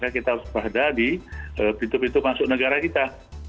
kita harus berada di titik titik masuk negara kita